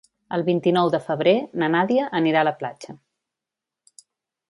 El vint-i-nou de febrer na Nàdia anirà a la platja.